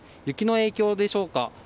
雪の影響でしょうか。